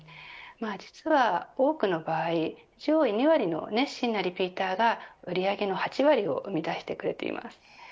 実は多くの場合上位２割の熱心なリピーターが売り上げの８割を生み出してくれています。